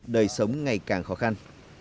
đời sống ngày càng khó khăn